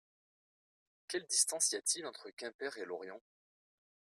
Quelle distance y a-t-il entre Quimper et Lorient ?